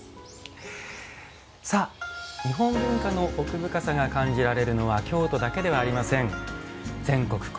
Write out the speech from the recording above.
さあ日本文化の奥深さが感じられるのは京都だけではありません。